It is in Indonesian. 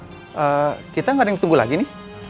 eee kita gak ada yang tunggu lagi nih